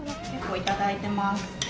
結構いただいてます。